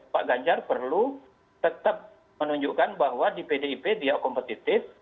pak ganjar perlu tetap menunjukkan bahwa di pdip dia kompetitif